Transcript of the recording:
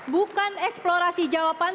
bukan eksplorasi jawaban